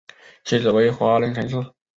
妻子为华人陈氏。